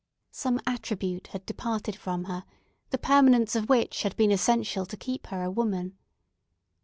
Some attribute had departed from her, the permanence of which had been essential to keep her a woman.